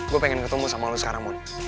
gue pengen ketemu sama lo sekarang